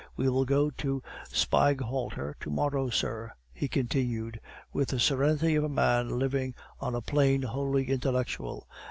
"We will go to Spieghalter to morrow, sir," he continued, with the serenity of a man living on a plane wholly intellectual.